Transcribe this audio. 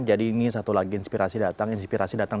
jadi ini satu lagi inspirasi datang